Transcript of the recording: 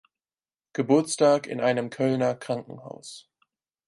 Geburtstag in einem Kölner Krankenhaus.